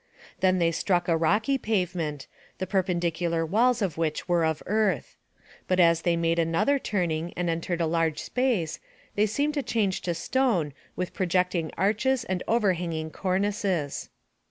Then they struck a rocky pavement, the perpendic ular walls of which were of earth ; but as they made another turning and entered a large space, they seemed to change to stone with projecting arches and over hanging cornices.